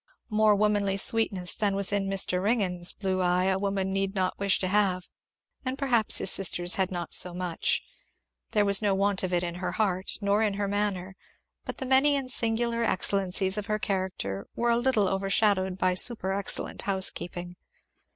More womanly sweetness than was in Mr. Ringgan's blue eye a woman need not wish to have; and perhaps his sister's had not so much. There was no want of it in her heart, nor in her manner, but the many and singular excellencies of her character were a little overshadowed by super excellent housekeeping.